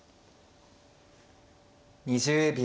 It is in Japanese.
２０秒。